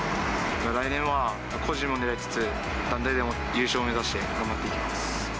来年は個人も狙いつつ、団体でも優勝目指して頑張っていきます。